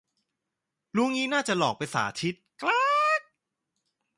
รู้งี้น่าจะหลอกไปสาธิต กร๊าก